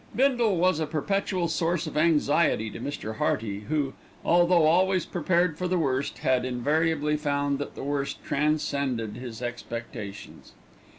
Bindle was a perpetual source of anxiety to Mr. Hearty, who, although always prepared for the worst, yet invariably found that the worst transcended his expectations.